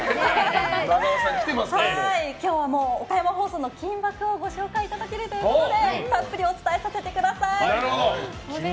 今日は岡山放送の「金バク！」をご紹介いただけるということでたっぷりお伝えさせてください。